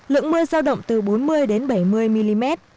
lượng mưa giao động từ bốn mươi đến bảy mươi mm